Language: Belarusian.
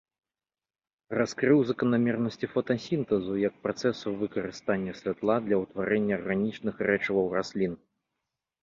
Раскрыў заканамернасці фотасінтэзу як працэсу выкарыстання святла для ўтварэння арганічных рэчываў раслін.